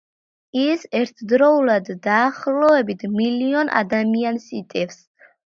ის ერთდროულად დაახლოებით მილიონ ადამიანს იტევს.